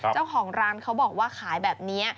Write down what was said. เจ้าของร้านเขาบอกว่าขายแบบนี้